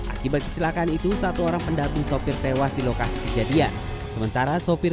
akibat kecelakaan itu satu orang pendamping sopir tewas di lokasi kejadian sementara sopir